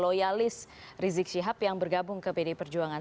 loyalis rizik syihab yang bergabung ke pdi perjuangan